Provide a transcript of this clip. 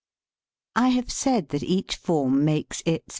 I have said that each form makes its par 89 TH.